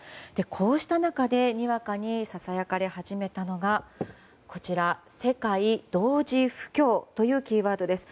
こうした中でにわかにささやかれ始めたのが世界同時不況というキーワードです。